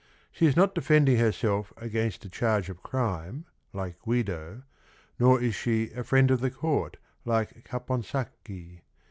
She is not defending herself against a charge of crime "like Guido, nor is she "a friend of the court" like Caponsacchi.